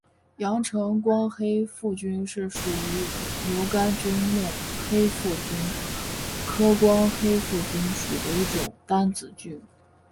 阳城光黑腹菌是属于牛肝菌目黑腹菌科光黑腹菌属的一种担子菌。